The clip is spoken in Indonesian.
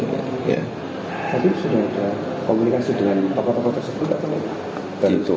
tapi sudah ada komunikasi dengan tokoh tokoh tersebut